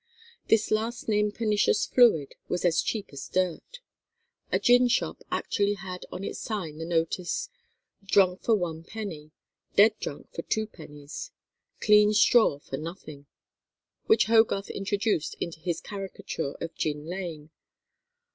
This last named pernicious fluid was as cheap as dirt. A gin shop actually had on its sign the notice, "Drunk for 1_d._; dead drunk for 2_d._; clean straw for nothing," which Hogarth introduced into his caricature of Gin Lane.